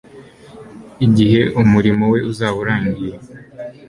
igihe umurimo we uzaba urangiye